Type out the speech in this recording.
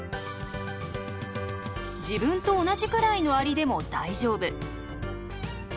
自分と同じくらいのアリでも大丈夫。